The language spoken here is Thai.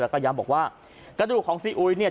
แล้วก็ย้ำบอกว่ากระดูกของซีอุยเนี่ย